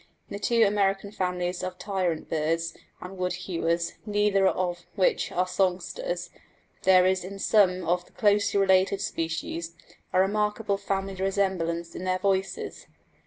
In the two American families of tyrant birds and woodhewers, neither of which are songsters, there is in some of the closely related species a remarkable family resemblance in their voices.